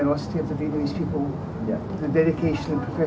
tôi rất thích bệnh nhân của bệnh viện